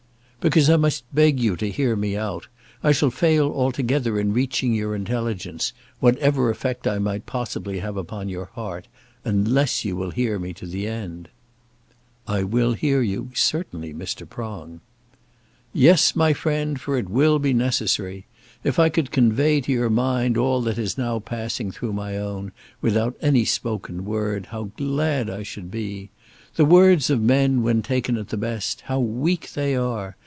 "Because I must beg you to hear me out. I shall fail altogether in reaching your intelligence, whatever effect I might possibly have upon your heart, unless you will hear me to the end." "I will hear you certainly, Mr. Prong." "Yes, my friend, for it will be necessary. If I could convey to your mind all that is now passing through my own, without any spoken word, how glad should I be! The words of men, when taken at the best, how weak they are!